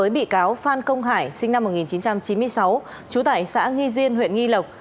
bị cáo phan công hải sinh năm một nghìn chín trăm chín mươi sáu trú tại xã nghi diên huyện nghi lộc